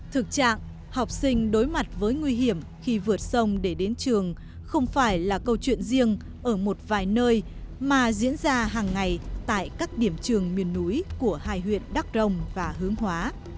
thực trạng học sinh đối mặt với nguy hiểm khi vượt sông để đến trường không phải là câu chuyện riêng ở một vài nơi mà diễn ra hàng ngày tại các điểm trường miền núi của hai huyện đắk rồng và hướng hóa